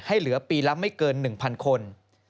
เหลือปีละไม่เกิน๑๐๐คน